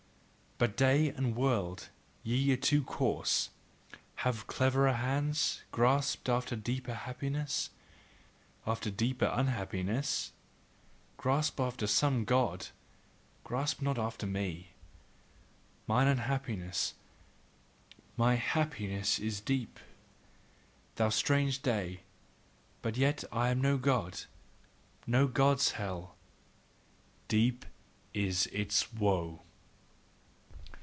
But day and world, ye are too coarse, Have cleverer hands, grasp after deeper happiness, after deeper unhappiness, grasp after some God; grasp not after me: Mine unhappiness, my happiness is deep, thou strange day, but yet am I no God, no God's hell: DEEP IS ITS WOE.